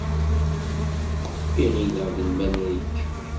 I ɣileɣ d lmalayek.